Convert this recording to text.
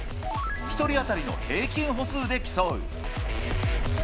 １人当たりの平均歩数で競う。